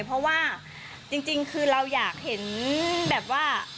เพราะว่าจริงคือเราอยากเห็นแบบว่า